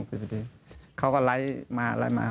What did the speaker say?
หนึ่งกมรับแต่ก็ไลฟ์มาไลฟ์มา